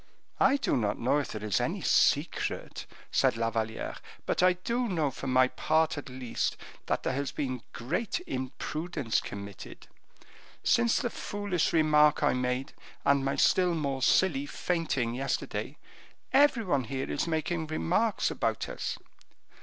"I do not know if there is any secret," said La Valliere; "but I do know, for my part at least, that there has been great imprudence committed. Since the foolish remark I made, and my still more silly fainting yesterday, every one here is making remarks about us."